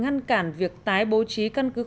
ngăn cản các nhà ga đánh bom